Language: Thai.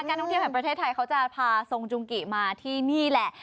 นักท่องเที่ยวแห่งประเทศไทยเขาจะพาทรงจุงกิมาที่นี่แหละ